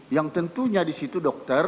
yang tentunya disitu dokter